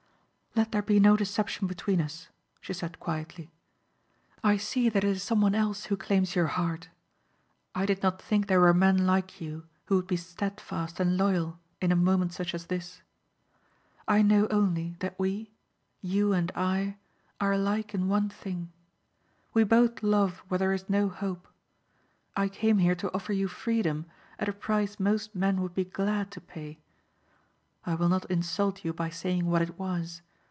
"Let there be no deception between us," she said quietly. "I see that it is someone else who claims your heart. I did not think there were men like you who would be steadfast and loyal in a moment such as this. I know only that we you and I are alike in one thing. We both love where there is no hope. I came here to offer you freedom at a price most men would be glad to pay. I will not insult you by saying what it was.